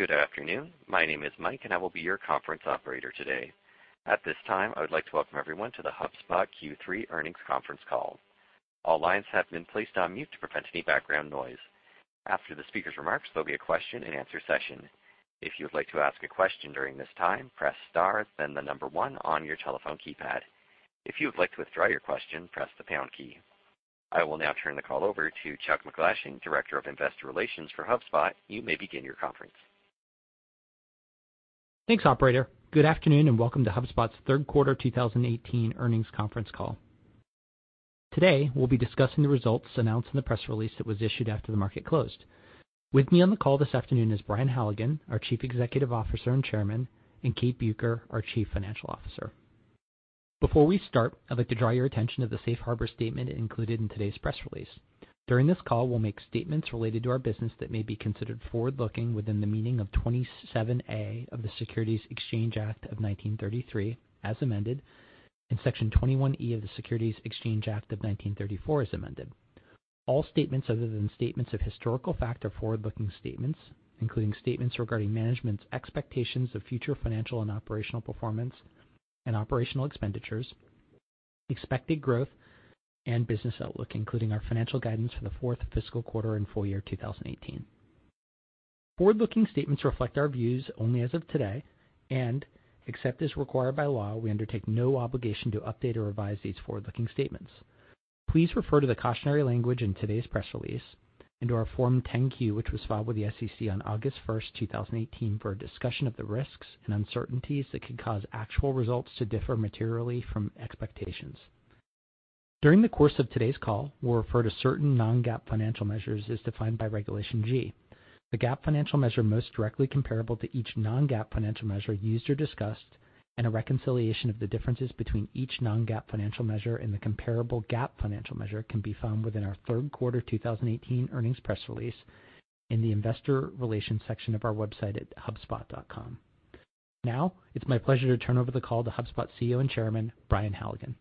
Good afternoon. My name is Mike, and I will be your conference operator today. At this time, I would like to welcome everyone to the HubSpot Q3 Earnings Conference Call. All lines have been placed on mute to prevent any background noise. After the speaker's remarks, there'll be a question and answer session. If you would like to ask a question during this time, press star, then the number 1 on your telephone keypad. If you would like to withdraw your question, press the pound key. I will now turn the call over to Chuck McGlashing, Director of Investor Relations for HubSpot. You may begin your conference. Thanks, operator. Good afternoon, and welcome to HubSpot's third quarter 2018 earnings conference call. Today, we'll be discussing the results announced in the press release that was issued after the market closed. With me on the call this afternoon is Brian Halligan, our Chief Executive Officer and Chairman, and Kate Bueker, our Chief Financial Officer. Before we start, I'd like to draw your attention to the safe harbor statement included in today's press release. During this call, we'll make statements related to our business that may be considered forward-looking within the meaning of 27A of the Securities Act of 1933, as amended, and Section 21E of the Securities Exchange Act of 1934, as amended. All statements other than statements of historical fact are forward-looking statements, including statements regarding management's expectations of future financial and operational performance and operational expenditures, expected growth, and business outlook, including our financial guidance for the fourth fiscal quarter and full year 2018. Forward-looking statements reflect our views only as of today, and except as required by law, we undertake no obligation to update or revise these forward-looking statements. Please refer to the cautionary language in today's press release and to our Form 10-Q, which was filed with the SEC on August 1st, 2018, for a discussion of the risks and uncertainties that could cause actual results to differ materially from expectations. During the course of today's call, we'll refer to certain non-GAAP financial measures as defined by Regulation G. The GAAP financial measure most directly comparable to each non-GAAP financial measure used or discussed and a reconciliation of the differences between each non-GAAP financial measure and the comparable GAAP financial measure can be found within our third quarter 2018 earnings press release in the investor relations section of our website at hubspot.com. Now, it's my pleasure to turn over the call to HubSpot CEO and Chairman, Brian Halligan.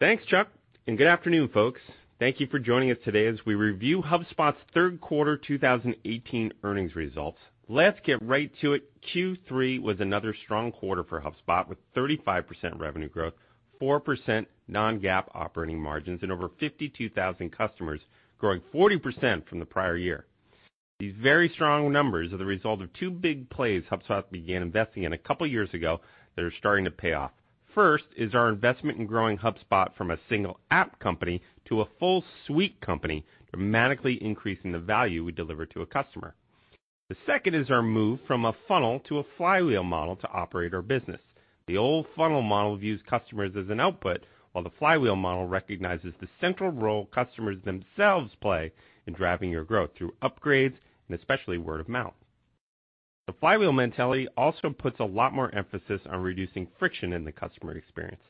Thanks, Chuck, and good afternoon, folks. Thank you for joining us today as we review HubSpot's third quarter 2018 earnings results. Let's get right to it. Q3 was another strong quarter for HubSpot, with 35% revenue growth, 4% non-GAAP operating margins, and over 52,000 customers, growing 40% from the prior year. These very strong numbers are the result of two big plays HubSpot began investing in a couple of years ago that are starting to pay off. First is our investment in growing HubSpot from a single app company to a full suite company, dramatically increasing the value we deliver to a customer. The second is our move from a funnel to a flywheel model to operate our business. The old funnel model views customers as an output, while the flywheel model recognizes the central role customers themselves play in driving your growth through upgrades and especially word of mouth. The flywheel mentality also puts a lot more emphasis on reducing friction in the customer experience.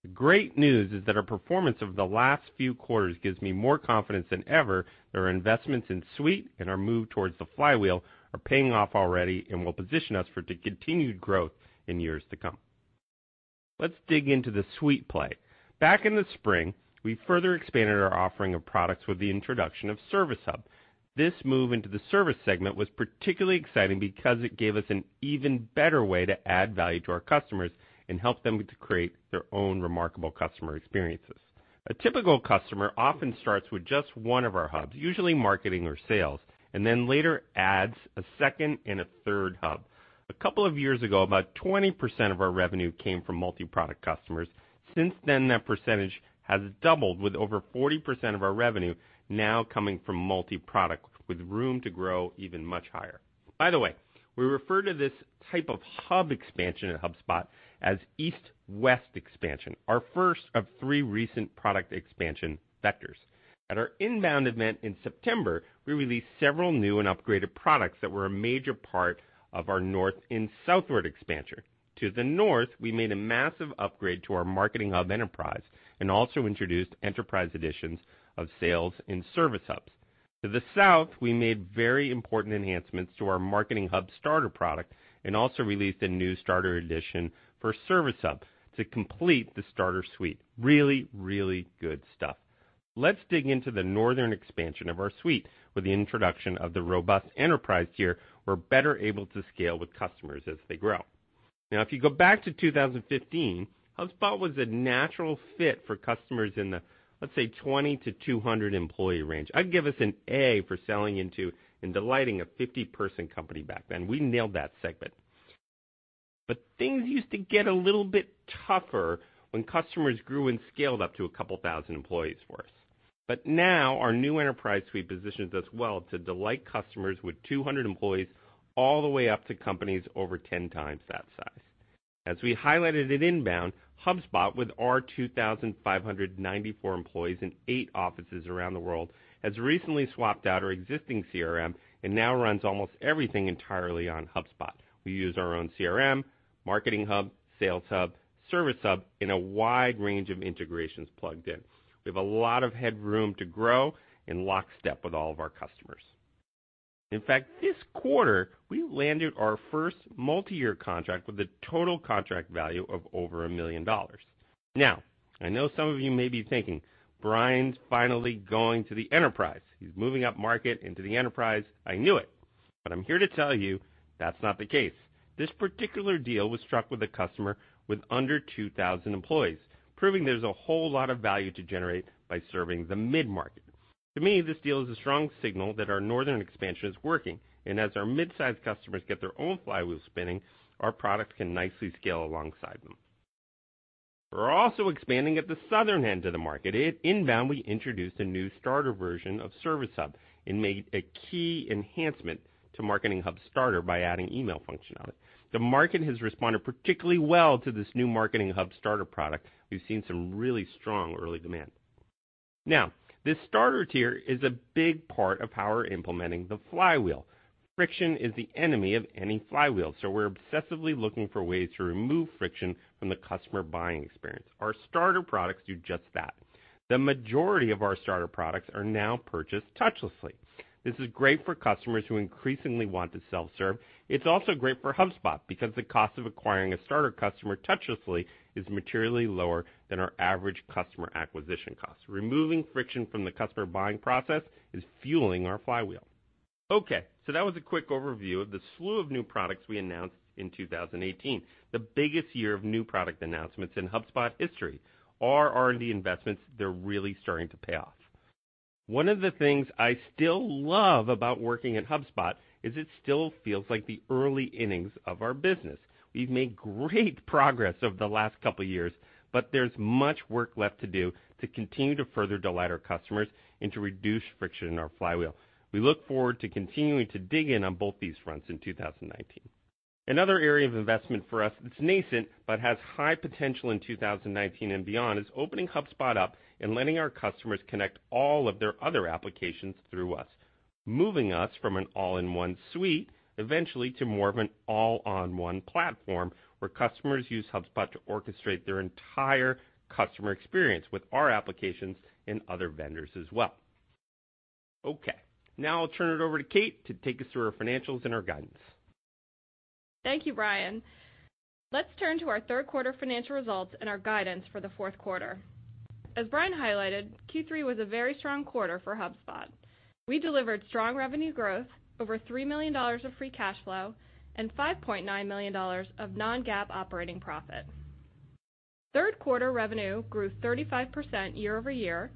The great news is that our performance over the last few quarters gives me more confidence than ever that our investments in Suite and our move towards the flywheel are paying off already and will position us for continued growth in years to come. Let's dig into the Suite play. Back in the spring, we further expanded our offering of products with the introduction of Service Hub. This move into the service segment was particularly exciting because it gave us an even better way to add value to our customers and help them to create their own remarkable customer experiences. A typical customer often starts with just one of our hubs, usually marketing or sales, and then later adds a second and a third hub. A couple of years ago, about 20% of our revenue came from multi-product customers. Since then, that percentage has doubled, with over 40% of our revenue now coming from multi-product, with room to grow even much higher. By the way, we refer to this type of hub expansion at HubSpot as east-west expansion, our first of three recent product expansion vectors. At our INBOUND event in September, we released several new and upgraded products that were a major part of our north and southward expansion. To the north, we made a massive upgrade to our Marketing Hub Enterprise and also introduced enterprise editions of Sales and Service Hubs. To the south, we made very important enhancements to our Marketing Hub Starter product and also released a new starter edition for Service Hub to complete the starter suite. Really, really good stuff. Let's dig into the northern expansion of our suite. With the introduction of the robust enterprise tier, we're better able to scale with customers as they grow. If you go back to 2015, HubSpot was a natural fit for customers in the, let's say, 20-200-employee range. I'd give us an A for selling into and delighting a 50-person company back then. We nailed that segment. Things used to get a little bit tougher when customers grew and scaled up to a couple thousand employees for us. Now, our new enterprise suite positions us well to delight customers with 200 employees all the way up to companies over 10 times that size. As we highlighted at INBOUND, HubSpot, with our 2,594 employees and eight offices around the world, has recently swapped out our existing CRM and now runs almost everything entirely on HubSpot. We use our own CRM, Marketing Hub, Sales Hub, Service Hub, and a wide range of integrations plugged in. We have a lot of headroom to grow in lockstep with all of our customers. In fact, this quarter, we landed our first multiyear contract with a total contract value of over $1 million. I know some of you may be thinking, "Brian's finally going to the enterprise. He's moving up market into the enterprise. I knew it." I'm here to tell you that's not the case. This particular deal was struck with a customer with under 2,000 employees, proving there's a whole lot of value to generate by serving the mid-market. To me, this deal is a strong signal that our northern expansion is working, and as our mid-size customers get their own flywheel spinning, our product can nicely scale alongside them. We're also expanding at the southern end of the market. At INBOUND, we introduced a new starter version of Service Hub and made a key enhancement to Marketing Hub Starter by adding email functionality. The market has responded particularly well to this new Marketing Hub Starter product. We've seen some really strong early demand. This starter tier is a big part of how we're implementing the flywheel. Friction is the enemy of any flywheel. We're obsessively looking for ways to remove friction from the customer buying experience. Our starter products do just that. The majority of our starter products are now purchased touchlessly. This is great for customers who increasingly want to self-serve. It's also great for HubSpot because the cost of acquiring a starter customer touchlessly is materially lower than our average customer acquisition cost. Removing friction from the customer buying process is fueling our flywheel. That was a quick overview of the slew of new products we announced in 2018, the biggest year of new product announcements in HubSpot history. Our R&D investments, they're really starting to pay off. One of the things I still love about working at HubSpot is it still feels like the early innings of our business. We've made great progress over the last couple of years, there's much work left to do to continue to further delight our customers and to reduce friction in our flywheel. We look forward to continuing to dig in on both these fronts in 2019. Another area of investment for us that's nascent but has high potential in 2019 and beyond is opening HubSpot up and letting our customers connect all of their other applications through us, moving us from an all-in-one suite eventually to more of an all-on-one platform where customers use HubSpot to orchestrate their entire customer experience with our applications and other vendors as well. I'll turn it over to Kate to take us through our financials and our guidance. Thank you, Brian. Let's turn to our third quarter financial results and our guidance for the fourth quarter. As Brian highlighted, Q3 was a very strong quarter for HubSpot. We delivered strong revenue growth, over $3 million of free cash flow, and $5.9 million of non-GAAP operating profit. Third-quarter revenue grew 35% year over year,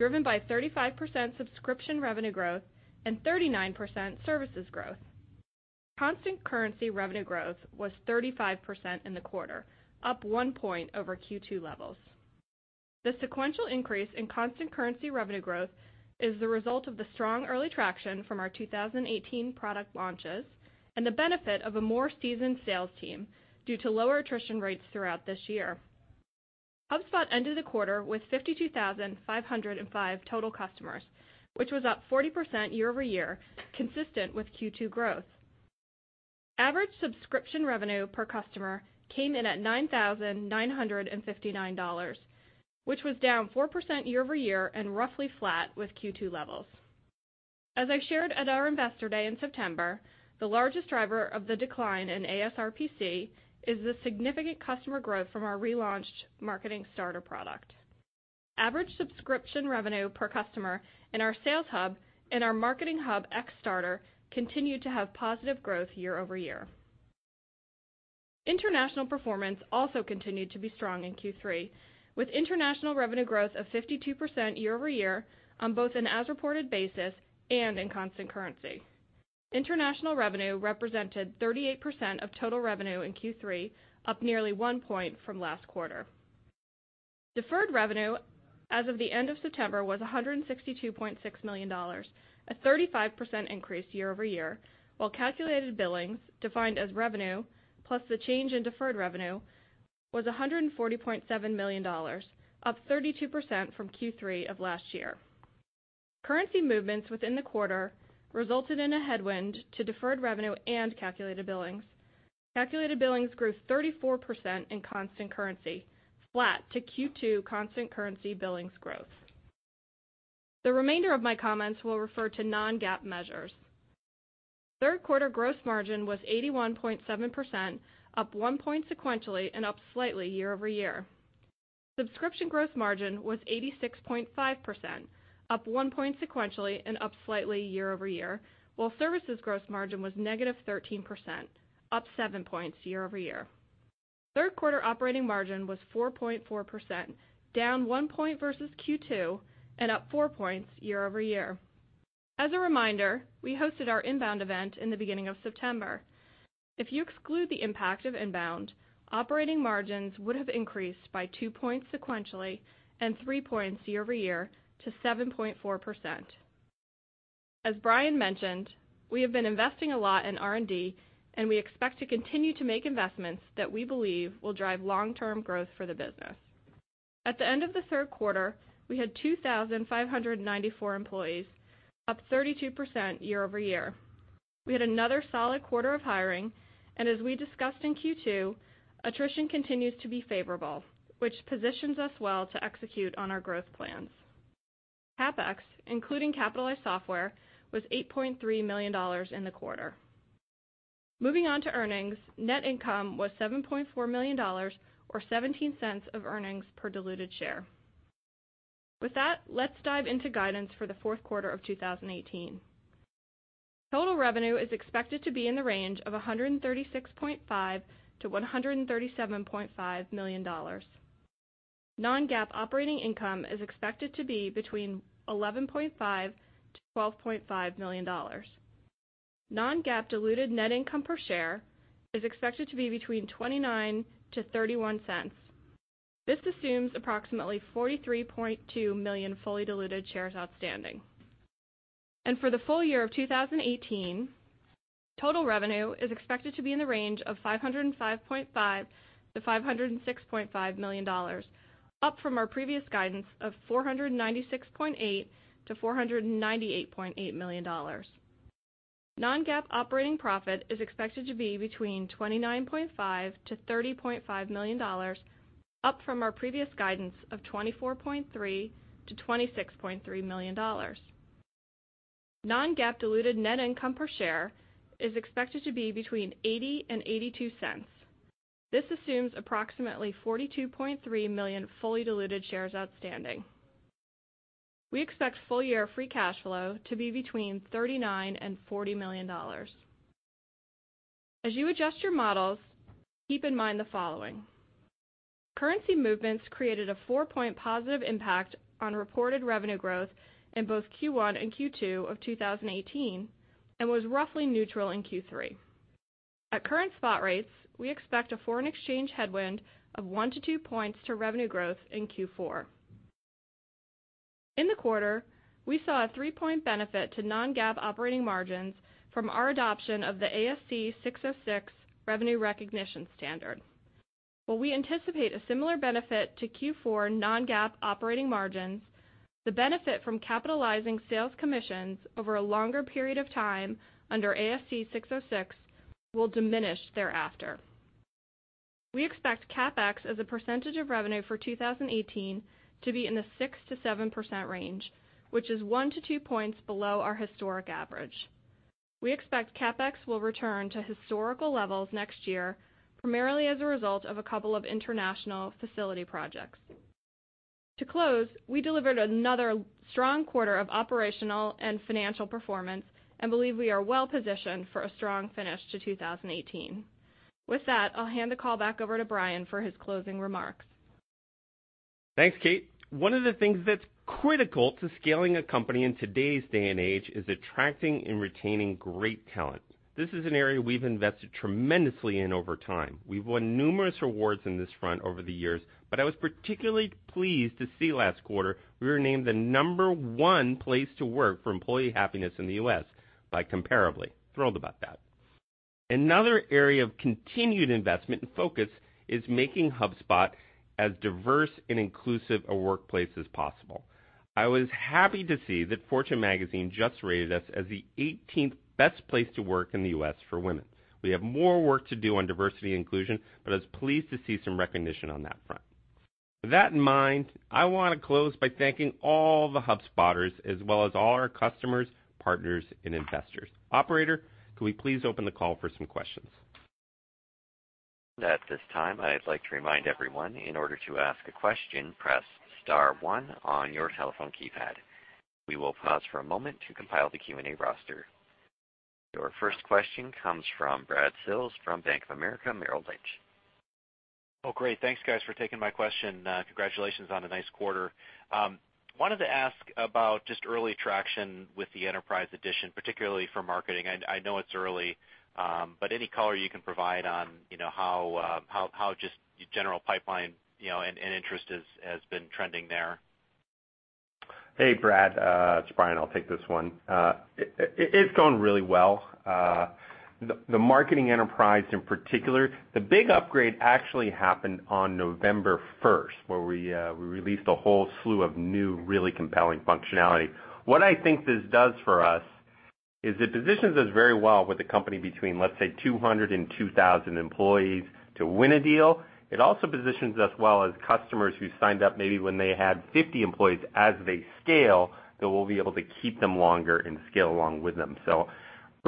driven by 35% subscription revenue growth and 39% services growth. Constant currency revenue growth was 35% in the quarter, up one point over Q2 levels. The sequential increase in constant currency revenue growth is the result of the strong early traction from our 2018 product launches and the benefit of a more seasoned sales team due to lower attrition rates throughout this year. HubSpot ended the quarter with 52,505 total customers, which was up 40% year over year, consistent with Q2 growth. Average subscription revenue per customer came in at $9,959, which was down 4% year over year and roughly flat with Q2 levels. As I shared at our Investor Day in September, the largest driver of the decline in ASRPC is the significant customer growth from our relaunched Marketing Starter product. Average subscription revenue per customer in our Sales Hub and our Marketing Hub ex-Starter continued to have positive growth year over year. International performance also continued to be strong in Q3, with international revenue growth of 52% year over year on both an as-reported basis and in constant currency. International revenue represented 38% of total revenue in Q3, up nearly one point from last quarter. Deferred revenue as of the end of September was $162.6 million, a 35% increase year over year, while calculated billings, defined as revenue plus the change in deferred revenue, was $140.7 million, up 32% from Q3 of last year. Currency movements within the quarter resulted in a headwind to deferred revenue and calculated billings. Calculated billings grew 34% in constant currency, flat to Q2 constant currency billings growth. The remainder of my comments will refer to non-GAAP measures. Third-quarter gross margin was 81.7%, up one point sequentially and up slightly year over year. Subscription growth margin was 86.5%, up one point sequentially and up slightly year over year, while services gross margin was negative 13%, up seven points year over year. Third-quarter operating margin was 4.4%, down one point versus Q2 and up four points year over year. As a reminder, we hosted our INBOUND event in the beginning of September. If you exclude the impact of INBOUND, operating margins would have increased by two points sequentially and three points year over year to 7.4%. As Brian mentioned, we have been investing a lot in R&D, and we expect to continue to make investments that we believe will drive long-term growth for the business. At the end of the third quarter, we had 2,594 employees, up 32% year over year. We had another solid quarter of hiring, and as we discussed in Q2, attrition continues to be favorable, which positions us well to execute on our growth plans. CapEx, including capitalized software, was $8.3 million in the quarter. Moving on to earnings. Net income was $7.4 million, or $0.17 of earnings per diluted share. With that, let's dive into guidance for the fourth quarter of 2018. Total revenue is expected to be in the range of $136.5 million-$137.5 million. Non-GAAP operating income is expected to be between $11.5 million-$12.5 million. Non-GAAP diluted net income per share is expected to be between $0.29-$0.31. This assumes approximately 43.2 million fully diluted shares outstanding. For the full year 2018, total revenue is expected to be in the range of $505.5 million-$506.5 million, up from our previous guidance of $496.8 million-$498.8 million. Non-GAAP operating profit is expected to be between $29.5 million-$30.5 million, up from our previous guidance of $24.3 million-$26.3 million. Non-GAAP diluted net income per share is expected to be between $0.80-$0.82. This assumes approximately 42.3 million fully diluted shares outstanding. We expect full-year free cash flow to be between $39 million-$40 million. As you adjust your models, keep in mind the following. Currency movements created a 4-point positive impact on reported revenue growth in both Q1 and Q2 2018, and was roughly neutral in Q3. At current spot rates, we expect a foreign exchange headwind of 1-2 points to revenue growth in Q4. In the quarter, we saw a 3-point benefit to non-GAAP operating margins from our adoption of the ASC 606 revenue recognition standard. While we anticipate a similar benefit to Q4 non-GAAP operating margins, the benefit from capitalizing sales commissions over a longer period of time under ASC 606 will diminish thereafter. We expect CapEx as a percentage of revenue for 2018 to be in the 6%-7% range, which is 1-2 points below our historic average. We expect CapEx will return to historical levels next year, primarily as a result of a couple of international facility projects. To close, we delivered another strong quarter of operational and financial performance and believe we are well-positioned for a strong finish to 2018. With that, I'll hand the call back over to Brian for his closing remarks. Thanks, Kate. One of the things that's critical to scaling a company in today's day and age is attracting and retaining great talent. This is an area we've invested tremendously in over time. We've won numerous awards on this front over the years, I was particularly pleased to see last quarter, we were named the number 1 place to work for employee happiness in the U.S. by Comparably. Thrilled about that. Another area of continued investment and focus is making HubSpot as diverse and inclusive a workplace as possible. I was happy to see that "Fortune" magazine just rated us as the 18th best place to work in the U.S. for women. We have more work to do on diversity and inclusion, I was pleased to see some recognition on that front. With that in mind, I want to close by thanking all the HubSpoters, as well as all our customers, partners, and investors. Operator, could we please open the call for some questions? At this time, I'd like to remind everyone, in order to ask a question, press star 1 on your telephone keypad. We will pause for a moment to compile the Q&A roster. Your first question comes from Brad Sills from Bank of America Merrill Lynch. Great. Thanks, guys, for taking my question. Congratulations on a nice quarter. Wanted to ask about just early traction with the enterprise edition, particularly for marketing. I know it's early, but any color you can provide on how just general pipeline and interest has been trending there. Hey, Brad. It's Brian. I'll take this one. It's going really well. The Marketing Enterprise in particular, the big upgrade actually happened on November 1st, where we released a whole slew of new, really compelling functionality. What I think this does for us is it positions us very well with a company between, let's say, 200 and 2,000 employees to win a deal. It also positions us well as customers who signed up maybe when they had 50 employees. As they scale, then we'll be able to keep them longer and scale along with them.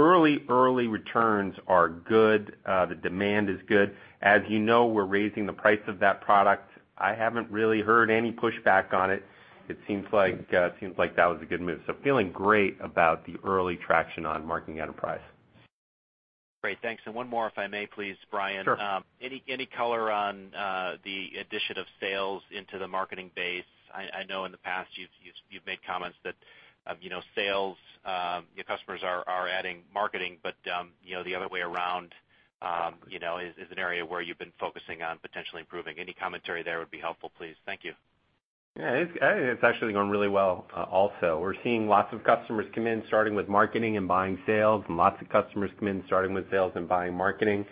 Early returns are good. The demand is good. As you know, we're raising the price of that product. I haven't really heard any pushback on it. It seems like that was a good move. Feeling great about the early traction on Marketing Enterprise. Great. Thanks. One more if I may, please, Brian. Sure. Any color on the addition of sales into the marketing base? I know in the past you've made comments that customers are adding marketing, but the other way around is an area where you've been focusing on potentially improving. Any commentary there would be helpful, please. Thank you. Yeah, it's actually going really well also. We're seeing lots of customers come in, starting with marketing and buying sales, and lots of customers come in, starting with sales and buying marketing.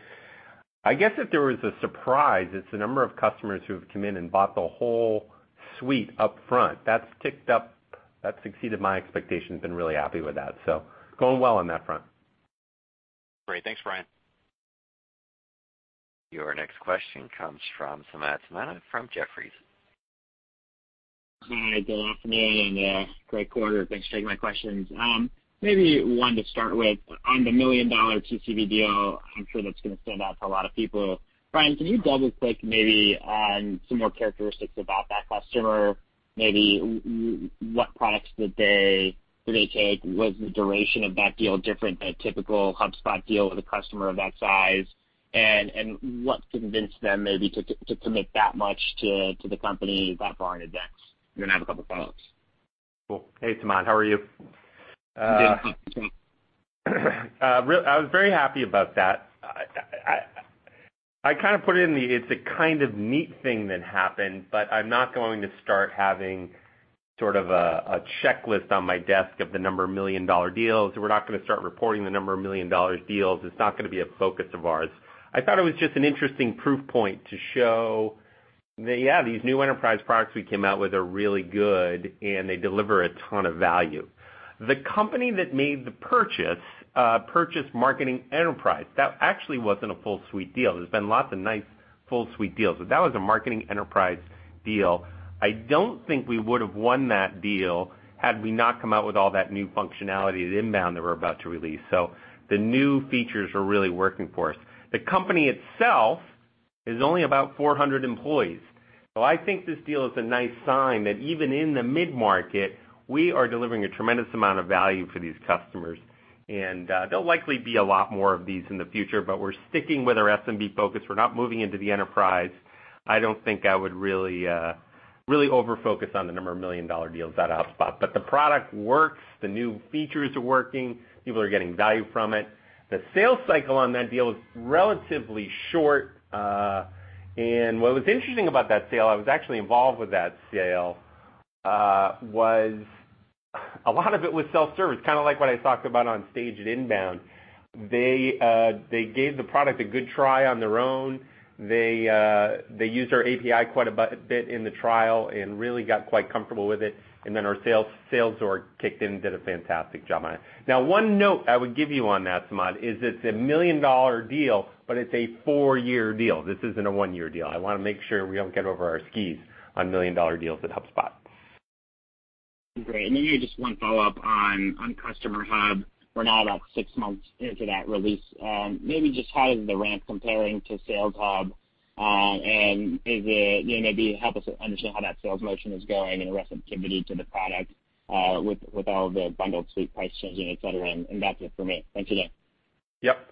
I guess if there was a surprise, it's the number of customers who have come in and bought the whole suite up front. That's ticked up. That's exceeded my expectations. Been really happy with that. Going well on that front. Great. Thanks, Brian. Your next question comes from Samad Samana from Jefferies. Hi, good afternoon, great quarter. Thanks for taking my questions. Maybe one to start with, on the $1 million [TTB] deal, I'm sure that's going to stand out to a lot of people. Brian, can you double-click maybe on some more characteristics about that customer, maybe what products did they take? Was the duration of that deal different than a typical HubSpot deal with a customer of that size? What convinced them maybe to commit that much to the company that far in advance? I have a couple follow-ups. Cool. Hey, Samad. How are you? Good. I was very happy about that. I kind of put it in the, it's a kind of neat thing that happened. I'm not going to start having sort of a checklist on my desk of the number of $1 million deals. We're not going to start reporting the number of $1 million deals. It's not going to be a focus of ours. I thought it was just an interesting proof point to show that, yeah, these new enterprise products we came out with are really good. They deliver a ton of value. The company that made the purchase, purchased Marketing Enterprise. That actually wasn't a full suite deal. There's been lots of nice full suite deals. That was a Marketing Enterprise deal. I don't think we would've won that deal had we not come out with all that new functionality at INBOUND that we're about to release. The new features are really working for us. The company itself is only about 400 employees. I think this deal is a nice sign that even in the mid-market, we are delivering a tremendous amount of value for these customers. There'll likely be a lot more of these in the future, but we're sticking with our SMB focus. We're not moving into the enterprise. I don't think I would really over-focus on the number of million-dollar deals at HubSpot. The product works. The new features are working. People are getting value from it. The sales cycle on that deal is relatively short. What was interesting about that sale, I was actually involved with that sale, was a lot of it was self-service, kind of like what I talked about on stage at INBOUND. They gave the product a good try on their own. They used our API quite a bit in the trial and really got quite comfortable with it. Then our sales org kicked in and did a fantastic job on it. Now, one note I would give you on that, Samad, is it's a million-dollar deal, but it's a four-year deal. This isn't a one-year deal. I want to make sure we don't get over our skis on million-dollar deals at HubSpot. Great. Maybe just one follow-up on Service Hub. We're now about six months into that release. Maybe just how is the ramp comparing to Sales Hub? Maybe help us understand how that sales motion is going and the receptivity to the product, with all the bundled suite price changing, et cetera. That's it for me. Thanks again. Yep.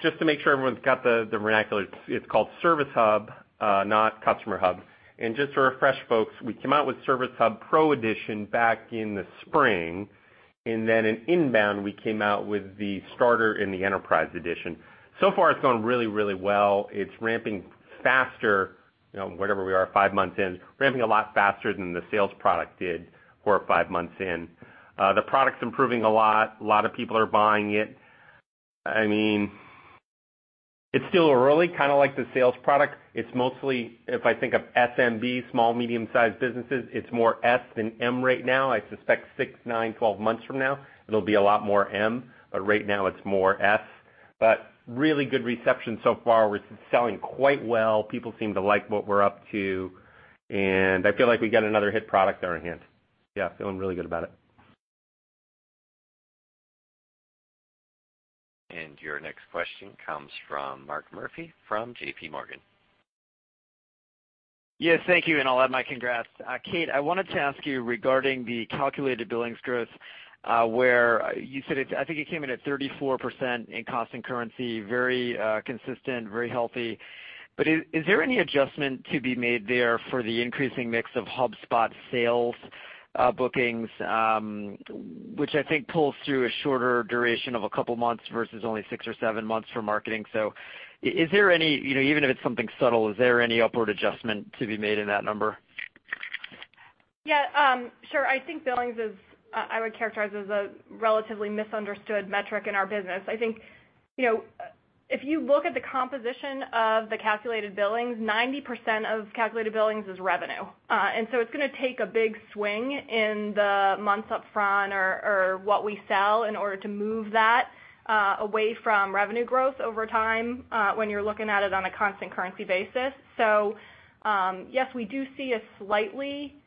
Just to make sure everyone's got the vernacular, it's called Service Hub, not customer Hub. Just to refresh folks, we came out with Service Hub Pro edition back in the spring, then at INBOUND, we came out with the Starter and the Enterprise edition. Far it's gone really, really well. It's ramping faster, wherever we are, five months in, ramping a lot faster than the sales product did four or five months in. The product's improving a lot. A lot of people are buying it. It's still early, kind of like the sales product. It's mostly, if I think of SMB, small, medium-sized businesses, it's more S than M right now. I suspect six, nine, 12 months from now it'll be a lot more M, but right now it's more S. Really good reception so far. It's selling quite well. People seem to like what we're up to. I feel like we got another hit product on our hands. Yeah, feeling really good about it. Your next question comes from Mark Murphy from J.P. Morgan. Yes, thank you, and I'll add my congrats. Kate, I wanted to ask you regarding the calculated billings growth, where you said, I think it came in at 34% in constant currency, very consistent, very healthy. Is there any adjustment to be made there for the increasing mix of HubSpot sales bookings, which I think pulls through a shorter duration of a couple of months versus only six or seven months for marketing. Is there any, even if it's something subtle, is there any upward adjustment to be made in that number? Yeah, sure. I think billings is, I would characterize, as a relatively misunderstood metric in our business. I think, if you look at the composition of the calculated billings, 90% of calculated billings is revenue. It's going to take a big swing in the months up front or what we sell in order to move that away from revenue growth over time, when you're looking at it on a constant currency basis. Yes, we do see a slightly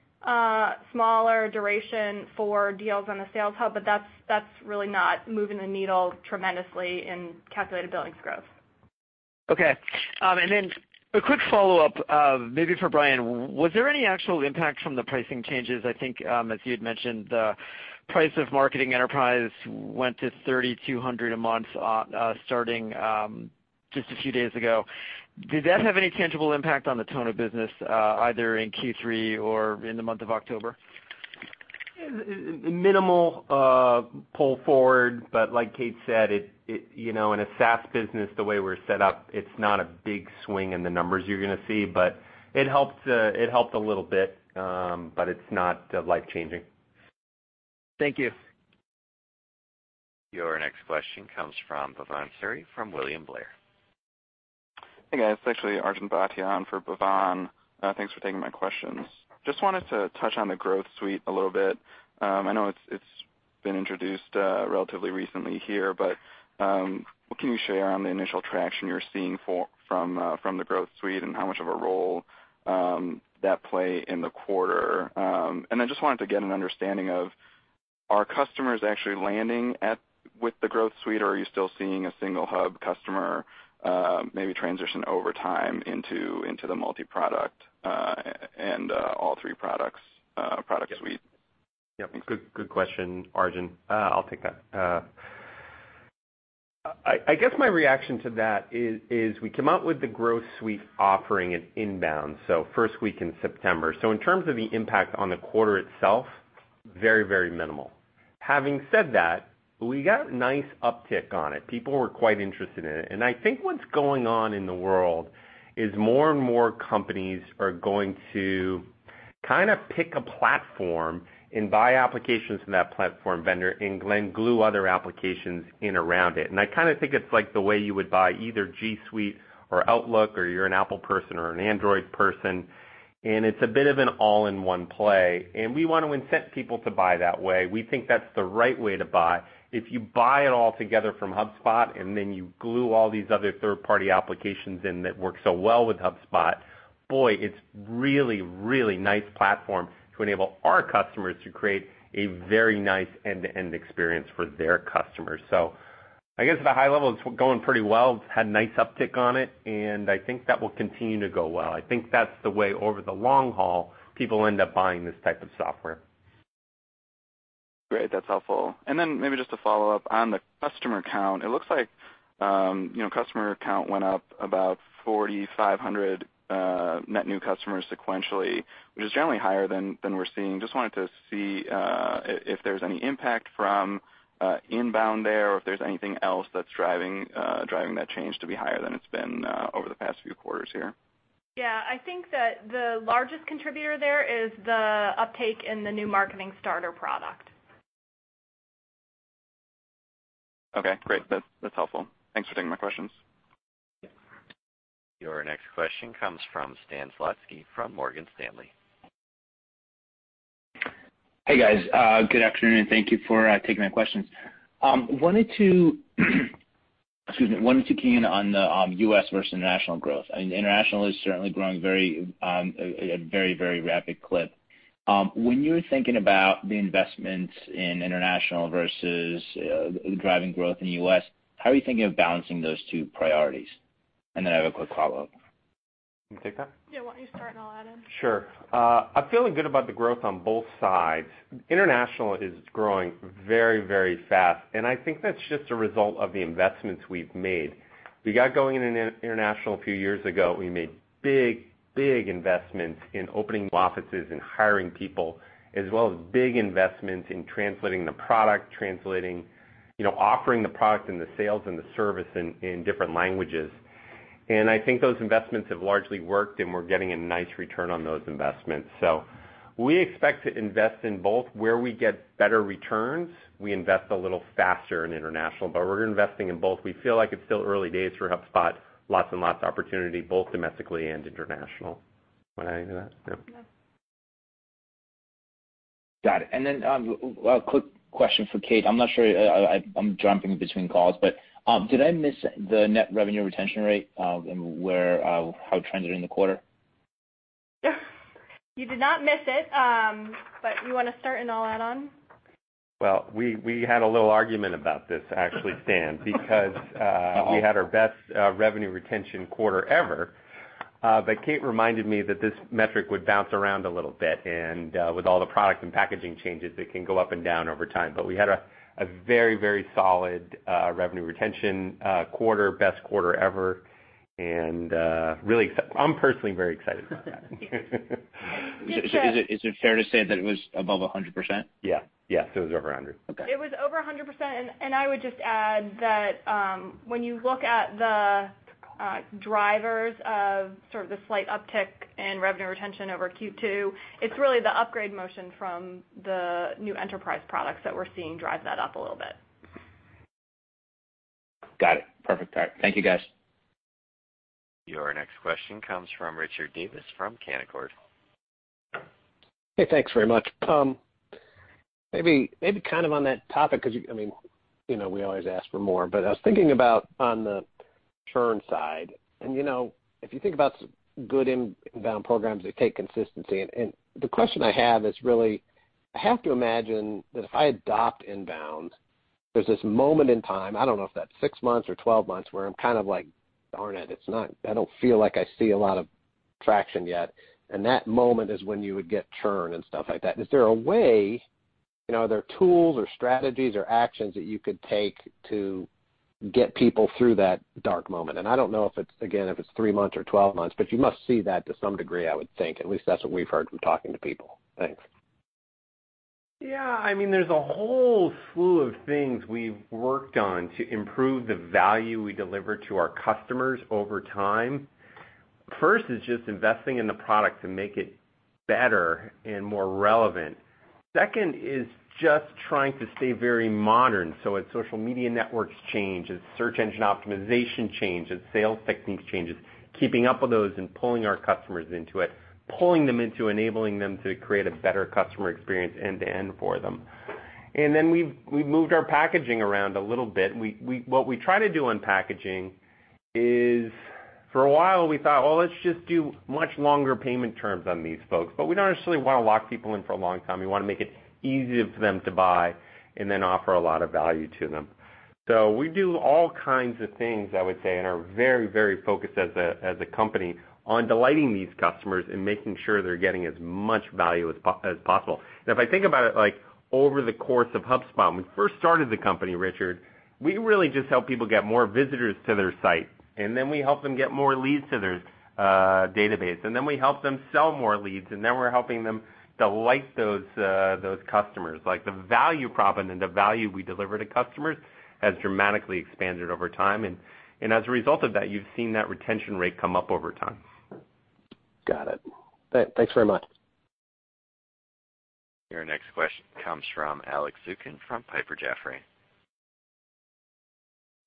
smaller duration for deals on the Sales Hub, but that's really not moving the needle tremendously in calculated billings growth. Okay. Then a quick follow-up, maybe for Brian. Was there any actual impact from the pricing changes? I think, as you had mentioned, the price of Marketing Hub Enterprise went to $3,200 a month, starting just a few days ago. Did that have any tangible impact on the tone of business, either in Q3 or in the month of October? Minimal pull forward, like Kate said, in a SaaS business, the way we're set up, it's not a big swing in the numbers you're going to see, but it helped a little bit. It's not life-changing. Thank you. Your next question comes from Bhavan Suri from William Blair. Hey, guys. It's actually Arjun Bhatia for Bhavan Suri. Thanks for taking my questions. Wanted to touch on the Growth Suite a little bit. I know it's been introduced relatively recently here, what can you share on the initial traction you're seeing from the Growth Suite and how much of a role that play in the quarter? I wanted to get an understanding of, are customers actually landing with the Growth Suite, or are you still seeing a single hub customer maybe transition over time into the multi-product, and all three products suite? Yep. Good question, Arjun. I'll take that. I guess my reaction to that is we come out with the Growth Suite offering at INBOUND, so first week in September. In terms of the impact on the quarter itself, very minimal. Having said that, we got nice uptick on it. People were quite interested in it. I think what's going on in the world is more and more companies are going to kind of pick a platform and buy applications from that platform vendor and then glue other applications in around it. I kind of think it's like the way you would buy either G Suite or Outlook, or you're an Apple person or an Android person, and it's a bit of an all-in-one play, and we want to incent people to buy that way. We think that's the right way to buy. If you buy it all together from HubSpot, you glue all these other third-party applications in that work so well with HubSpot, boy, it's really nice platform to enable our customers to create a very nice end-to-end experience for their customers. I guess at a high level, it's going pretty well. It's had nice uptick on it, and I think that will continue to go well. I think that's the way, over the long haul, people end up buying this type of software. Great. That's helpful. Maybe a follow-up on the customer count. It looks like customer count went up about 4,500 net new customers sequentially, which is generally higher than we're seeing. Wanted to see if there's any impact from INBOUND there, or if there's anything else that's driving that change to be higher than it's been over the past few quarters here. Yeah, I think that the largest contributor there is the uptake in the new Marketing Starter product. Okay, great. That's helpful. Thanks for taking my questions. Your next question comes from Stan Zlotsky from Morgan Stanley. Hey, guys. Good afternoon. Thank you for taking my questions. Wanted to key in on the U.S. versus international growth. I mean, international is certainly growing at a very rapid clip. When you are thinking about the investments in international versus driving growth in U.S., how are you thinking of balancing those two priorities? I have a quick follow-up. You take that? Yeah. Why don't you start and I'll add in? Sure. I'm feeling good about the growth on both sides. International is growing very fast, I think that's just a result of the investments we've made. We got going in international a few years ago. We made big investments in opening offices and hiring people, as well as big investments in translating the product, offering the product and the sales and the service in different languages. I think those investments have largely worked, and we're getting a nice return on those investments. We expect to invest in both. Where we get better returns, we invest a little faster in international, but we're investing in both. We feel like it's still early days for HubSpot. Lots and lots of opportunity, both domestically and international. Want to add anything to that? No. No. Got it. Then, a quick question for Kate. I'm not sure. I'm jumping between calls, but did I miss the net revenue retention rate, and how trends are in the quarter? You did not miss it. You want to start and I'll add on? Well, we had a little argument about this actually, Stan Zlotsky, because we had our best revenue retention quarter ever. Kate Bueker reminded me that this metric would bounce around a little bit, and with all the product and packaging changes, it can go up and down over time. We had a very solid revenue retention quarter, best quarter ever, and I'm personally very excited about that. Is it fair to say that it was above 100%? Yeah. It was over 100. Okay. It was over 100%, and I would just add that, when you look at the drivers of sort of the slight uptick in revenue retention over Q2, it's really the upgrade motion from the new enterprise products that we're seeing drive that up a little bit. Got it. Perfect. All right. Thank you, guys. Your next question comes from Richard Davis from Canaccord. Hey, thanks very much. Maybe kind of on that topic, because we always ask for more, but I was thinking about on the churn side, and if you think about good inbound programs, they take consistency. The question I have is really, I have to imagine that if I adopt inbound, there's this moment in time, I don't know if that's 6 months or 12 months, where I'm kind of like, "Darn it, I don't feel like I see a lot of traction yet." That moment is when you would get churn and stuff like that. Is there a way, are there tools or strategies or actions that you could take to get people through that dark moment? I don't know, again, if it's 3 months or 12 months, but you must see that to some degree, I would think. At least that's what we've heard from talking to people. Thanks. Yeah. There's a whole slew of things we've worked on to improve the value we deliver to our customers over time. First is just investing in the product to make it better and more relevant. Second is just trying to stay very modern. As social media networks change, as search engine optimization changes, sales techniques changes, keeping up with those and pulling our customers into it, pulling them into enabling them to create a better customer experience end-to-end for them. Then we've moved our packaging around a little bit. What we try to do on packaging is, for a while we thought, "Well, let's just do much longer payment terms on these folks." We don't necessarily want to lock people in for a long time. We want to make it easy for them to buy and then offer a lot of value to them. We do all kinds of things, I would say, and are very focused as a company on delighting these customers and making sure they're getting as much value as possible. If I think about it, over the course of HubSpot, when we first started the company, Richard, we really just help people get more visitors to their site, and then we help them get more leads to their database, and then we help them sell more leads, and then we're helping them delight those customers. The value prop and the value we deliver to customers has dramatically expanded over time. As a result of that, you've seen that retention rate come up over time. Got it. Thanks very much. Your next question comes from Alex Zukin from Piper Jaffray.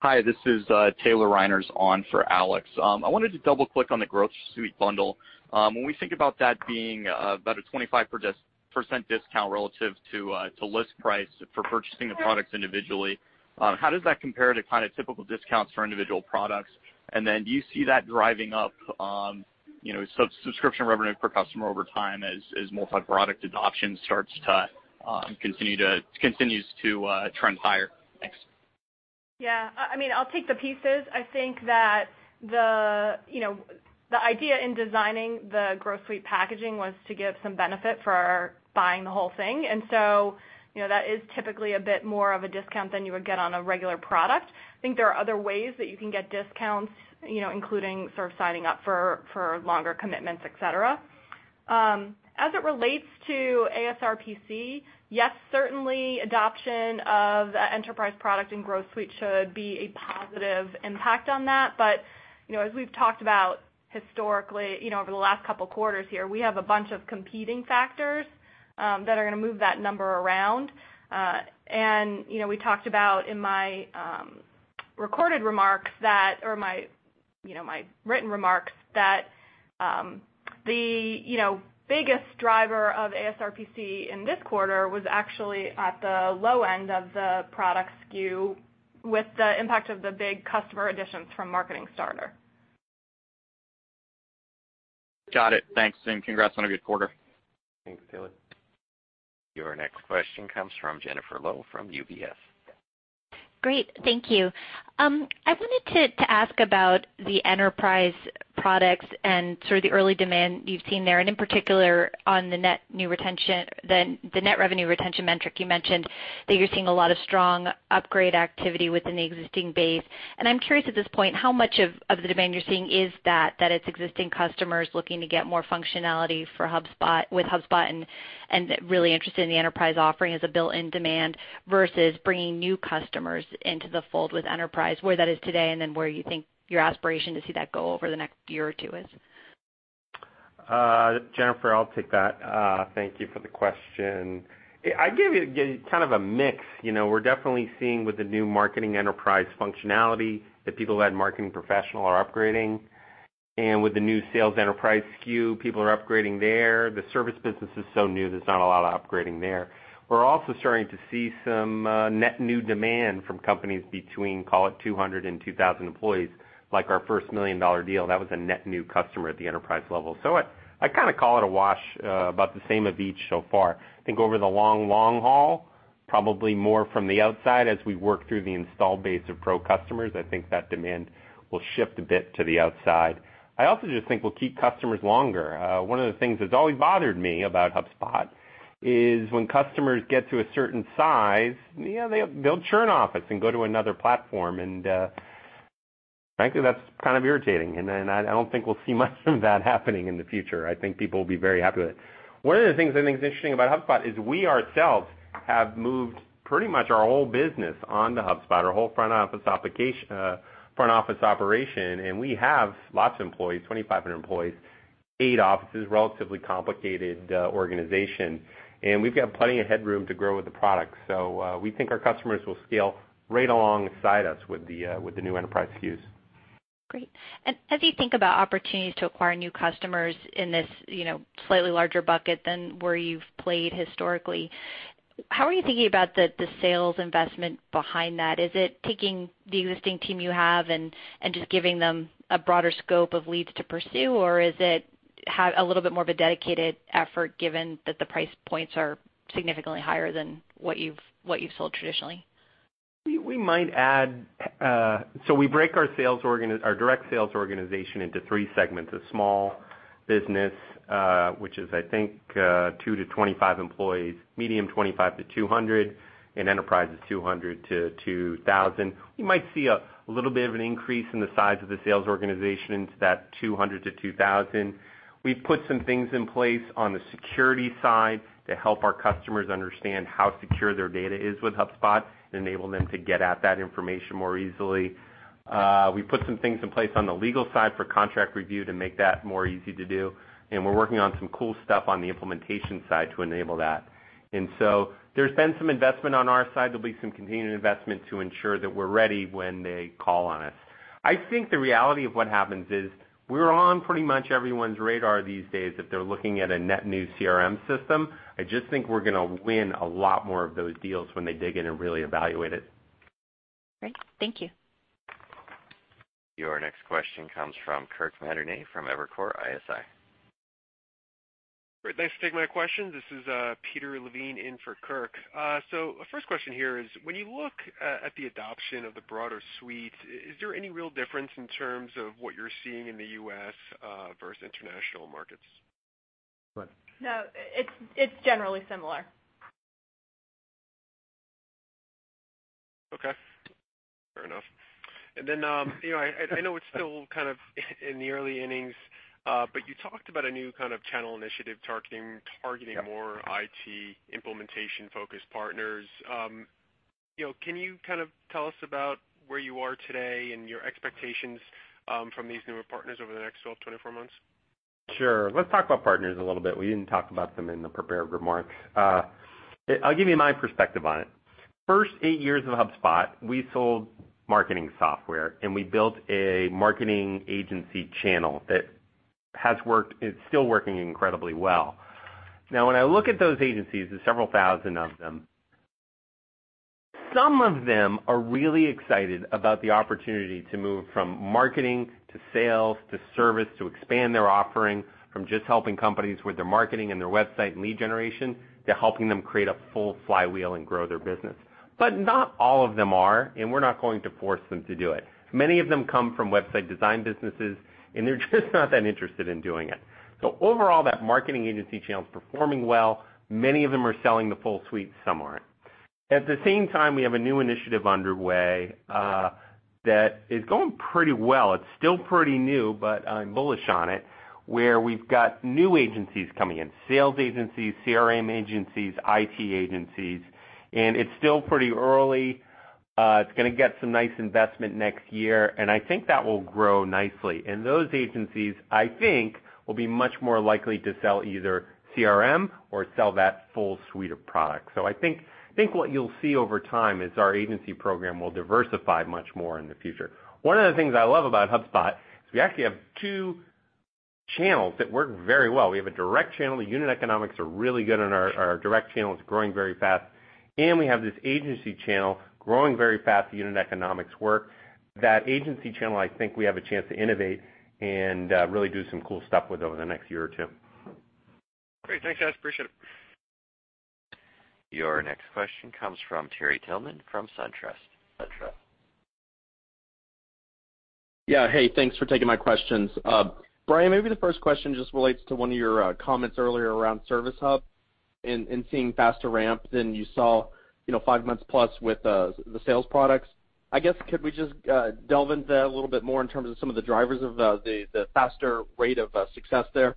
Hi, this is Taylor Radke on for Alex. I wanted to double-click on the Growth Suite bundle. When we think about that being about a 25% discount relative to list price for purchasing the products individually, how does that compare to kind of typical discounts for individual products? Then do you see that driving up subscription revenue per customer over time as multi-product adoption starts to continue to trend higher? Thanks. Yeah. I'll take the pieces. I think that the idea in designing the Growth Suite packaging was to give some benefit for buying the whole thing, and so that is typically a bit more of a discount than you would get on a regular product. I think there are other ways that you can get discounts, including sort of signing up for longer commitments, et cetera. As it relates to ASRPC, yes, certainly adoption of enterprise product and Growth Suite should be a positive impact on that. As we've talked about historically, over the last couple of quarters here, we have a bunch of competing factors that are going to move that number around. We talked about, in my recorded remarks, or my written remarks that the biggest driver of ASRPC in this quarter was actually at the low end of the product SKU with the impact of the big customer additions from Marketing Starter. Got it. Thanks, and congrats on a good quarter. Thanks, Taylor. Your next question comes from Jennifer Lowe from UBS. Great. Thank you. I wanted to ask about the enterprise products and sort of the early demand you've seen there, and in particular on the net new retention, the net revenue retention metric. You mentioned that you're seeing a lot of strong upgrade activity within the existing base, and I'm curious at this point, how much of the demand you're seeing is that it's existing customers looking to get more functionality with HubSpot and really interested in the enterprise offering as a built-in demand versus bringing new customers into the fold with enterprise, where that is today, and then where you think your aspiration to see that go over the next year or two is? Jennifer, I'll take that. Thank you for the question. I'd give you kind of a mix. We're definitely seeing with the new Marketing Enterprise functionality that people who had Marketing Professional are upgrading. With the new Sales Enterprise SKU, people are upgrading there. The service business is so new, there's not a lot of upgrading there. We're also starting to see some net new demand from companies between, call it 200 and 2,000 employees, like our first $1 million deal. That was a net new customer at the enterprise level. I kind of call it a wash, about the same of each so far. I think over the long haul, probably more from the outside as we work through the install base of Pro customers. I think that demand will shift a bit to the outside. I also just think we'll keep customers longer. One of the things that's always bothered me about HubSpot is when customers get to a certain size, they'll churn off us and go to another platform, and frankly, that's kind of irritating, and I don't think we'll see much of that happening in the future. I think people will be very happy with it. One of the things I think is interesting about HubSpot is we ourselves have moved pretty much our whole business onto HubSpot, our whole front office operation, and we have lots of employees, 2,500 employees, eight offices, relatively complicated organization. We've got plenty of headroom to grow with the product. We think our customers will scale right alongside us with the new Enterprise SKUs. Great. As you think about opportunities to acquire new customers in this slightly larger bucket than where you've played historically, how are you thinking about the sales investment behind that? Is it taking the existing team you have and just giving them a broader scope of leads to pursue, or is it a little bit more of a dedicated effort given that the price points are significantly higher than what you've sold traditionally? We break our direct sales organization into three segments, the small business, which is, I think, 2 to 25 employees, medium, 25 to 200, and Enterprise is 200 to 2,000. We might see a little bit of an increase in the size of the sales organization into that 200 to 2,000. We've put some things in place on the security side to help our customers understand how secure their data is with HubSpot and enable them to get at that information more easily. We put some things in place on the legal side for contract review to make that more easy to do, and we're working on some cool stuff on the implementation side to enable that. There's been some investment on our side. There'll be some continued investment to ensure that we're ready when they call on us. I think the reality of what happens is we're on pretty much everyone's radar these days if they're looking at a net new CRM system. I just think we're going to win a lot more of those deals when they dig in and really evaluate it. Great. Thank you. Your next question comes from Kirk Materne from Evercore ISI. Great. Thanks for taking my question. This is Peter Levine in for Kirk. The first question here is, when you look at the adoption of the broader suite, is there any real difference in terms of what you're seeing in the U.S. versus international markets? No, it's generally similar. Okay, fair enough. I know it's still kind of in the early innings, but you talked about a new kind of channel initiative targeting. Yeah more IT implementation-focused partners. Can you kind of tell us about where you are today and your expectations from these newer partners over the next 12, 24 months? Sure. Let's talk about partners a little bit. We didn't talk about them in the prepared remarks. I'll give you my perspective on it. First eight years of HubSpot, we sold marketing software, and we built a marketing agency channel that has worked, it's still working incredibly well. Now, when I look at those agencies, there's several thousand of them. Some of them are really excited about the opportunity to move from marketing to sales to service, to expand their offering from just helping companies with their marketing and their website and lead generation to helping them create a full flywheel and grow their business. Not all of them are, and we're not going to force them to do it. Many of them come from website design businesses, and they're just not that interested in doing it. Overall, that marketing agency channel's performing well. Many of them are selling the full suite, some aren't. At the same time, we have a new initiative underway, that is going pretty well. It's still pretty new, but I'm bullish on it, where we've got new agencies coming in, sales agencies, CRM agencies, IT agencies, and it's still pretty early. It's going to get some nice investment next year, and I think that will grow nicely. Those agencies, I think, will be much more likely to sell either CRM or sell that full suite of products. I think what you'll see over time is our agency program will diversify much more in the future. One of the things I love about HubSpot is we actually have two channels that work very well. We have a direct channel, the unit economics are really good, and our direct channel is growing very fast. We have this agency channel growing very fast. The unit economics work. That agency channel, I think we have a chance to innovate and really do some cool stuff with over the next year or two. Great. Thanks, guys. Appreciate it. Your next question comes from Terry Tillman from SunTrust. Yeah. Hey, thanks for taking my questions. Brian, maybe the first question just relates to one of your comments earlier around Service Hub and seeing faster ramp than you saw 5 months plus with the sales products. I guess, could we just delve into that a little bit more in terms of some of the drivers of the faster rate of success there?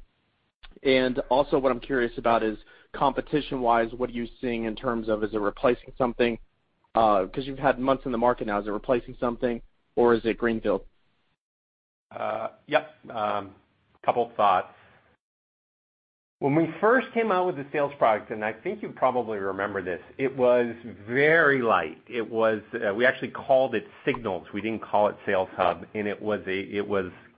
Also what I'm curious about is, competition-wise, what are you seeing in terms of, is it replacing something? Because you've had months in the market now. Is it replacing something, or is it greenfield? Yep. Couple of thoughts. When we first came out with the sales product, I think you probably remember this, it was very light. We actually called it Signals. We didn't call it Sales Hub, it was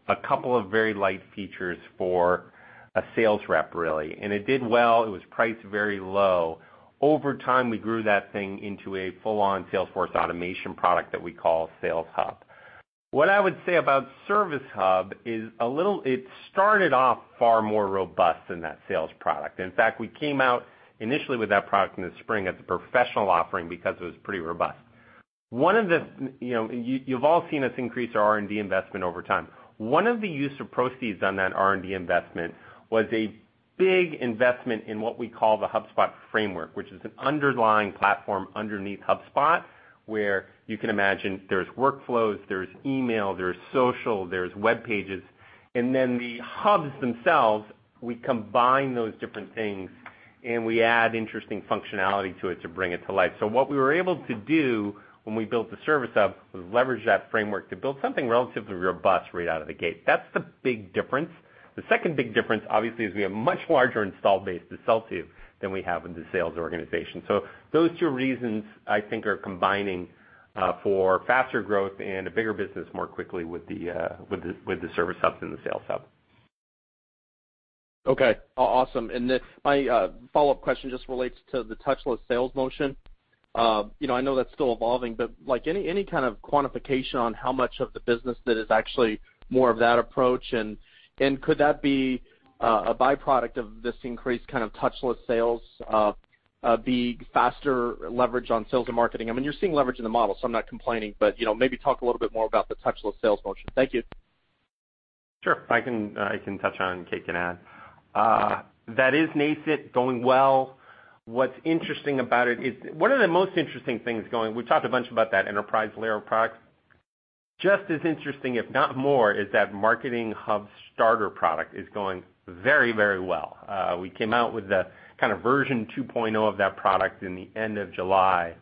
a couple of very light features for a sales rep, really. It did well. It was priced very low. Over time, we grew that thing into a full-on sales force automation product that we call Sales Hub. What I would say about Service Hub is it started off far more robust than that sales product. In fact, we came out initially with that product in the spring as a professional offering because it was pretty robust. You've all seen us increase our R&D investment over time. One of the use of proceeds on that R&D investment was a big investment in what we call the HubSpot framework, which is an underlying platform underneath HubSpot, where you can imagine there's workflows, there's email, there's social, there's webpages. The hubs themselves, we combine those different things, we add interesting functionality to it to bring it to life. What we were able to do when we built the Service Hub was leverage that framework to build something relatively robust right out of the gate. That's the big difference. The second big difference, obviously, is we have much larger install base to sell to than we have in the sales organization. Those two reasons, I think, are combining, for faster growth and a bigger business more quickly with the Service Hub than the Sales Hub. Okay. Awesome. My follow-up question just relates to the touchless sales motion. I know that's still evolving, any kind of quantification on how much of the business that is actually more of that approach, could that be a byproduct of this increased kind of touchless sales, the faster leverage on sales and marketing? I mean, you're seeing leverage in the model, I'm not complaining, maybe talk a little bit more about the touchless sales motion. Thank you. Sure. I can touch on, Kate can add. Okay. That is nascent, going well. One of the most interesting things going, we talked a bunch about that enterprise layer of products. Just as interesting, if not more, is that Marketing Hub Starter product is going very well. We came out with the kind of version 2.0 of that product in the end of July,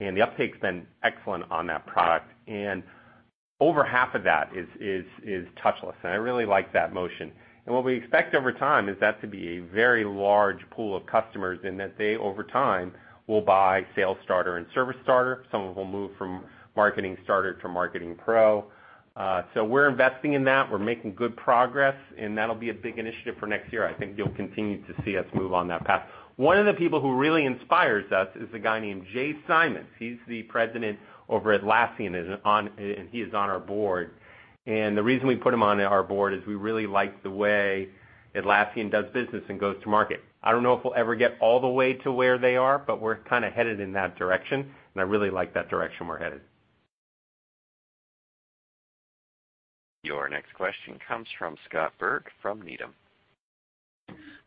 the uptake's been excellent on that product. Over half of that is touchless, I really like that motion. What we expect over time is that to be a very large pool of customers, that they, over time, will buy Sales Starter and Service Starter. Some of them will move from Marketing Starter to Marketing Pro. We're investing in that. We're making good progress, that'll be a big initiative for next year. I think you'll continue to see us move on that path. One of the people who really inspires us is a guy named Jay Simons. He's the president over at Atlassian, he is on our board. The reason we put him on our board is we really like the way Atlassian does business and goes to market. I don't know if we'll ever get all the way to where they are, but we're kind of headed in that direction, I really like that direction we're headed. Your next question comes from Scott Berg from Needham.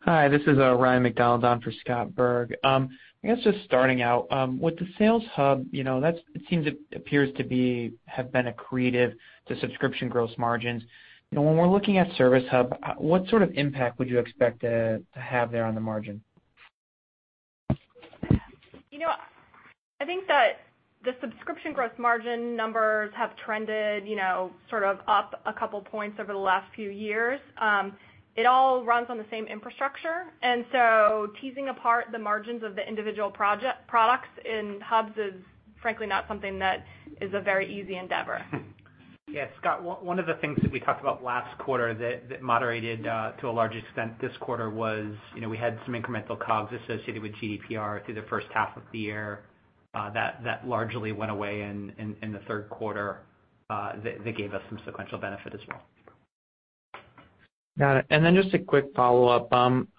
Hi, this is Ryan MacDonald on for Scott Berg. I guess just starting out, with the Sales Hub, it appears to have been accretive to subscription gross margins. When we're looking at Service Hub, what sort of impact would you expect to have there on the margin? I think that the subscription gross margin numbers have trended up a couple points over the last few years. It all runs on the same infrastructure, teasing apart the margins of the individual products in Hubs is frankly not something that is a very easy endeavor. Yeah, Scott, one of the things that we talked about last quarter that moderated to a large extent this quarter was, we had some incremental COGS associated with GDPR through the first half of the year, that largely went away in the third quarter, that gave us some sequential benefit as well. Got it. Just a quick follow-up.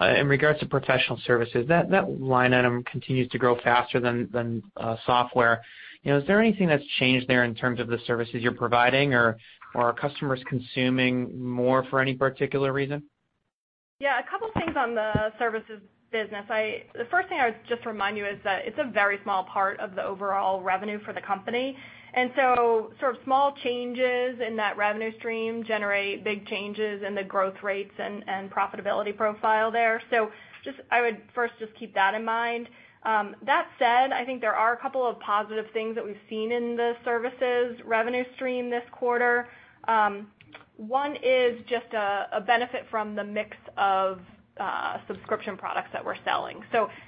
In regards to professional services, that line item continues to grow faster than software. Is there anything that's changed there in terms of the services you're providing, or are customers consuming more for any particular reason? Yeah. A couple things on the services business. The first thing I would just remind you is that it's a very small part of the overall revenue for the company, sort of small changes in that revenue stream generate big changes in the growth rates and profitability profile there. I would first just keep that in mind. That said, I think there are a couple of positive things that we've seen in the services revenue stream this quarter. One is just a benefit from the mix of subscription products that we're selling.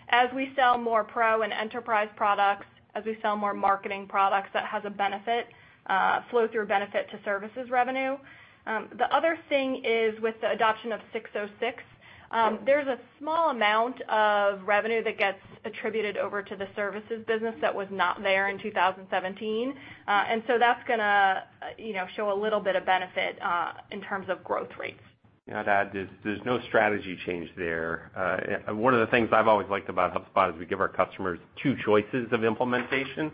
As we sell more pro and enterprise products, as we sell more marketing products, that has a flow-through benefit to services revenue. The other thing is with the adoption of 606, there's a small amount of revenue that gets attributed over to the services business that was not there in 2017. That's going to show a little bit of benefit, in terms of growth rates. I'd add, there's no strategy change there. One of the things I've always liked about HubSpot is we give our customers two choices of implementation.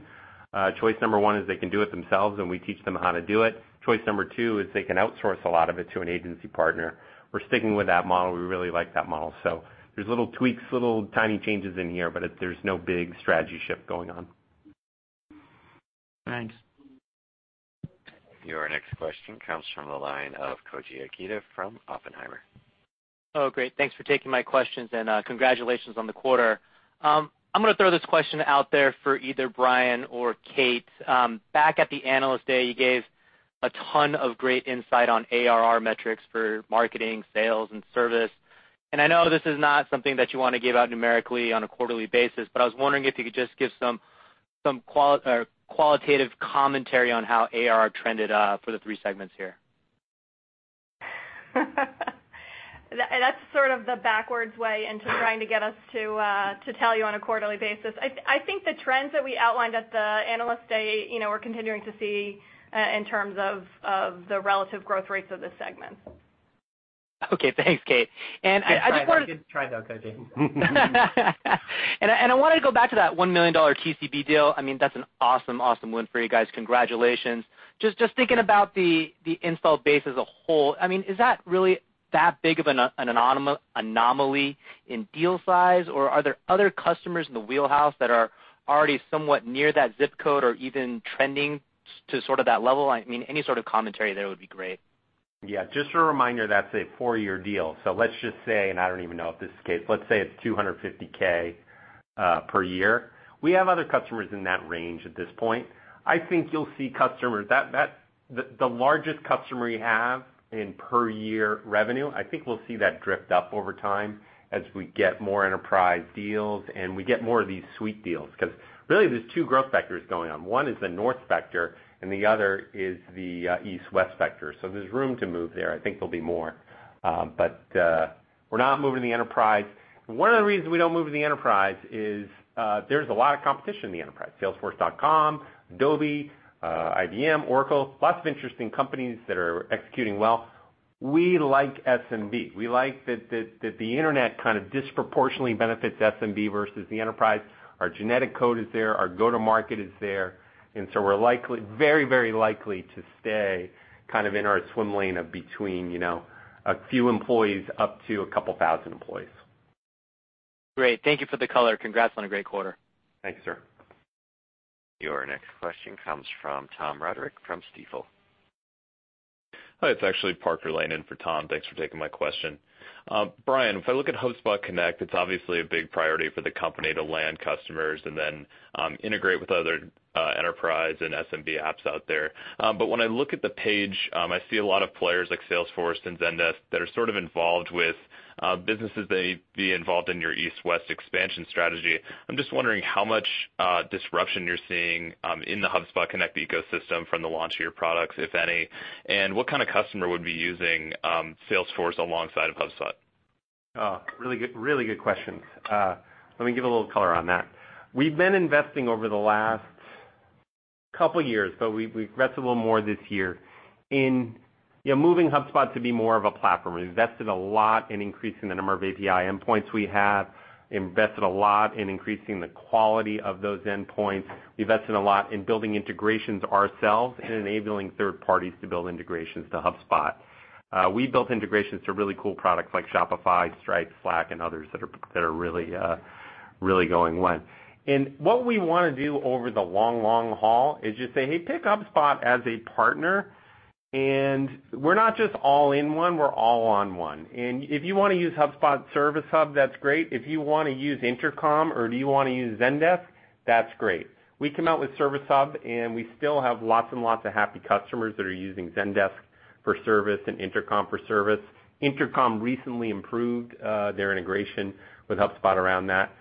Choice number 1 is they can do it themselves, and we teach them how to do it. Choice number 2 is they can outsource a lot of it to an agency partner. We're sticking with that model. We really like that model. There's little tweaks, little tiny changes in here, but there's no big strategy shift going on. Thanks. Your next question comes from the line of Koji Ikeda from Oppenheimer. Oh, great. Thanks for taking my questions, and congratulations on the quarter. I'm going to throw this question out there for either Brian or Kate. Back at the Analyst Day, you gave a ton of great insight on ARR metrics for marketing, sales, and service. I know this is not something that you want to give out numerically on a quarterly basis, but I was wondering if you could just give some qualitative commentary on how ARR trended up for the three segments here. That's sort of the backwards way into trying to get us to tell you on a quarterly basis. I think the trends that we outlined at the Analyst Day, we're continuing to see, in terms of the relative growth rates of the segments. Okay. Thanks, Kate. Good try though, Koji. I wanted to go back to that $1 million TCV deal. That's an awesome win for you guys. Congratulations. Just thinking about the install base as a whole, is that really that big of an anomaly in deal size, or are there other customers in the wheelhouse that are already somewhat near that ZIP code or even trending to sort of that level? Any sort of commentary there would be great. Just a reminder, that's a four-year deal, so let's just say, and I don't even know if this is the case, let's say it's $250K per year. We have other customers in that range at this point. The largest customer you have in per year revenue, I think we'll see that drift up over time as we get more enterprise deals and we get more of these suite deals. Really, there's two growth vectors going on. One is the north vector. The other is the east-west vector. There's room to move there. I think there'll be more. We're not moving to the enterprise. One of the reasons we don't move to the enterprise is, there's a lot of competition in the enterprise, Salesforce, Adobe, IBM, Oracle, lots of interesting companies that are executing well. We like SMB. We like that the internet kind of disproportionately benefits SMB versus the enterprise. Our genetic code is there, our go-to market is there, we're very likely to stay kind of in our swim lane of between a few employees up to a couple thousand employees. Great. Thank you for the color. Congrats on a great quarter. Thanks, sir. Your next question comes from Tom Roderick from Stifel. Hi, it's actually Parker Lane in for Tom. Thanks for taking my question. Brian, if I look at HubSpot Connect, it's obviously a big priority for the company to land customers and then integrate with other enterprise and SMB apps out there. When I look at the page, I see a lot of players like Salesforce and Zendesk that are sort of involved with businesses that may be involved in your east-west expansion strategy. I'm just wondering how much disruption you're seeing in the HubSpot Connect ecosystem from the launch of your products, if any. What kind of customer would be using Salesforce alongside of HubSpot? Really good questions. Let me give a little color on that. We've been investing over the last couple years, we've progressed a little more this year in moving HubSpot to be more of a platform. We invested a lot in increasing the number of API endpoints we have, invested a lot in increasing the quality of those endpoints. We invested a lot in building integrations ourselves and enabling third parties to build integrations to HubSpot. We built integrations to really cool products like Shopify, Stripe, Slack, and others that are really going well. What we want to do over the long, long haul is just say, "Hey, pick HubSpot as a partner." We're not just all-in-one, we're all-on-one. If you want to use HubSpot Service Hub, that's great. If you want to use Intercom, or do you want to use Zendesk, that's great. We came out with Service Hub, and we still have lots and lots of happy customers that are using Zendesk for service and Intercom for service. Intercom recently improved their integration with HubSpot around that.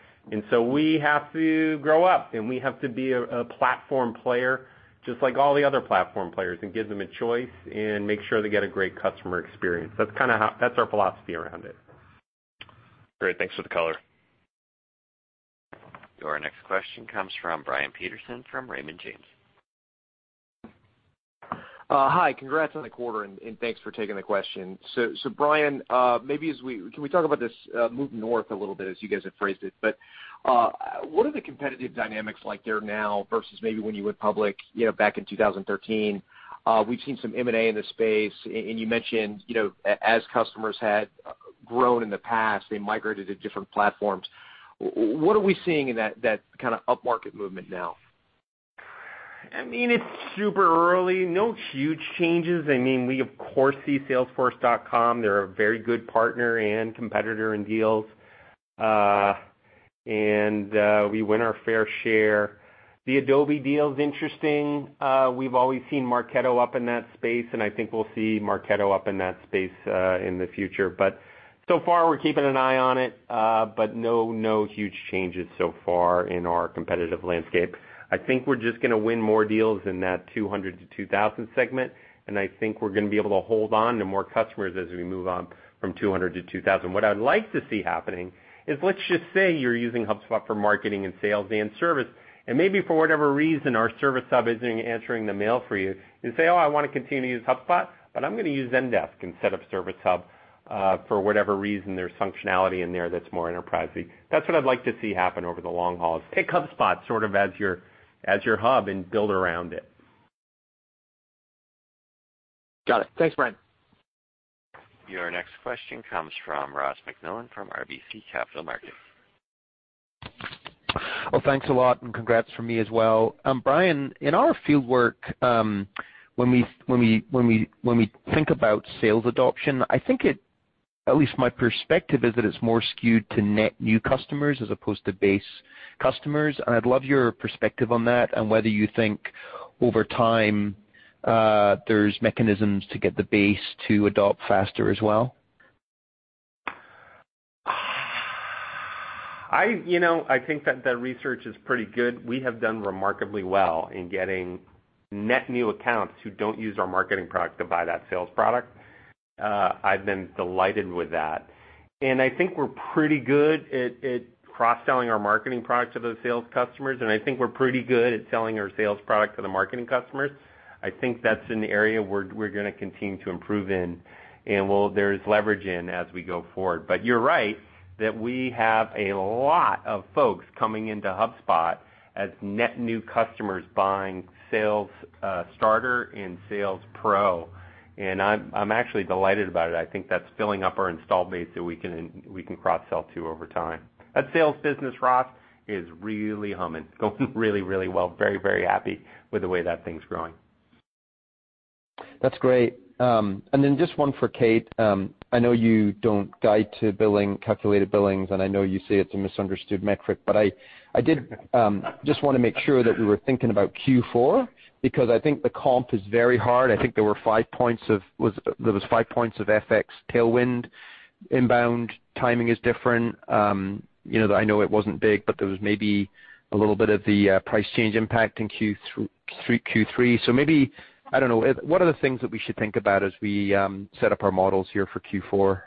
So we have to grow up, and we have to be a platform player just like all the other platform players and give them a choice and make sure they get a great customer experience. That's our philosophy around it. Great. Thanks for the color. Your next question comes from Brian Peterson from Raymond James. Hi. Congrats on the quarter, and thanks for taking the question. Brian, can we talk about this move north a little bit, as you guys have phrased it? But what are the competitive dynamics like there now versus maybe when you went public back in 2013? We've seen some M&A in the space, and you mentioned, as customers had grown in the past, they migrated to different platforms. What are we seeing in that kind of upmarket movement now? It's super early. No huge changes. We, of course, see Salesforce. They're a very good partner and competitor in deals. We win our fair share. The Adobe deal's interesting. We've always seen Marketo up in that space, and I think we'll see Marketo up in that space, in the future. So far, we're keeping an eye on it, but no huge changes so far in our competitive landscape. I think we're just going to win more deals in that 200 to 2,000 segment, and I think we're going to be able to hold on to more customers as we move on from 200 to 2,000. What I'd like to see happening is, let's just say you're using HubSpot for marketing and sales and service, and maybe for whatever reason, our Service Hub isn't answering the mail for you. You say, "Oh, I want to continue to use HubSpot, but I'm going to use Zendesk instead of Service Hub, for whatever reason, there's functionality in there that's more enterprisey." That's what I'd like to see happen over the long haul, is pick HubSpot sort of as your hub and build around it. Got it. Thanks, Brian. Your next question comes from Ross MacMillan from RBC Capital Markets. Well, thanks a lot, and congrats from me as well. Brian, in our field work, when we think about sales adoption, I think it, at least my perspective is that it's more skewed to net new customers as opposed to base customers. I'd love your perspective on that and whether you think over time, there's mechanisms to get the base to adopt faster as well. I think that the research is pretty good. We have done remarkably well in getting net new accounts who don't use our marketing product to buy that sales product. I've been delighted with that. I think we're pretty good at cross-selling our marketing product to those sales customers, and I think we're pretty good at selling our sales product to the marketing customers. I think that's an area we're going to continue to improve in and there's leverage in as we go forward. You're right that we have a lot of folks coming into HubSpot as net new customers buying Sales Starter and Sales Pro, and I'm actually delighted about it. I think that's filling up our install base that we can cross-sell to over time. That sales business, Ross, is really humming. Going really, really well. Very, very happy with the way that thing's growing. That's great. Then just one for Kate. I know you don't guide to billing, calculated billings, and I know you say it's a misunderstood metric, but I just want to make sure that we were thinking about Q4, because I think the comp is very hard. I think there was 5 points of FX tailwind. INBOUND timing is different. I know it wasn't big, but there was maybe a little bit of the price change impact in Q3. Maybe, I don't know, what are the things that we should think about as we set up our models here for Q4?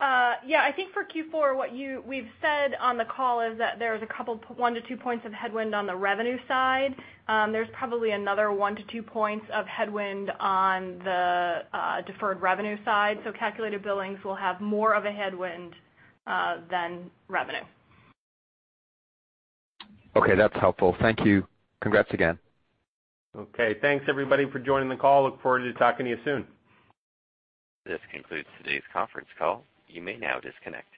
Yeah, I think for Q4, what we've said on the call is that there's a couple 1 to 2 points of headwind on the revenue side. There's probably another 1 to 2 points of headwind on the deferred revenue side. Calculated billings will have more of a headwind than revenue. Okay, that's helpful. Thank you. Congrats again. Okay. Thanks everybody for joining the call. Look forward to talking to you soon. This concludes today's conference call. You may now disconnect.